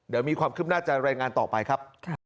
เดี๋ยวมีความคืบหน้าจะรายงานต่อไปครับ